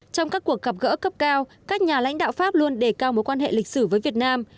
trong các cuộc gặp gỡ cấp cao các nhà lãnh đạo pháp luôn đề cao mối quan hệ lịch sử với việt nam